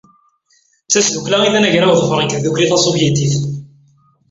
D tazdukla i d anagraw ḍefren deg Tdukli Tasuvyitit.